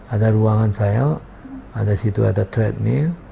ada ruangan saya ada treadmill